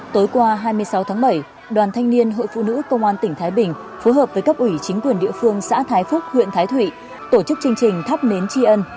tối qua hai mươi sáu tháng bảy đoàn thanh niên hội phụ nữ công an tỉnh thái bình phối hợp với cấp ủy chính quyền địa phương xã thái phúc huyện thái thụy tổ chức chương trình thắp nến tri ân